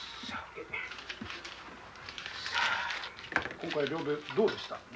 今回漁どうでした？